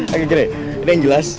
oke gere ini yang jelas